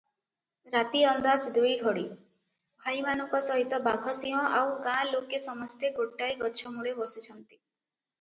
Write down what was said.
ରାତି ଅନ୍ଦାଜ ଦୁଇଘଡ଼ି, ଭାଇମାନଙ୍କ ସହିତ ବାଘସିଂହ ଆଉ ଗାଁଲୋକେ ସମସ୍ତେ ଗୋଟାଏ ଗଛମୂଳେ ବସିଛନ୍ତି ।